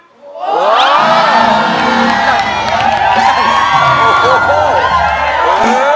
โอ้โห